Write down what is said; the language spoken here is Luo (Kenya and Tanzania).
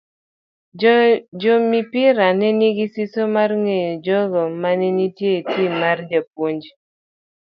Joopira ne nigi siso mar ng'eyo jogo mane nitie e tim mar japuonj.